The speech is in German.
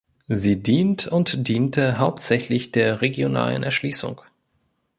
Sie dient und diente hauptsächlich der regionalen Erschließung.